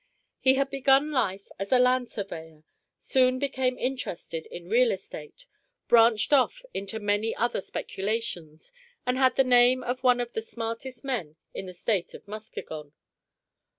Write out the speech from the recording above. He had begun life as a land surveyor, soon became interested in real estate, branched off into many other speculations, and had the name of one of the smartest men in the State of Muskegon.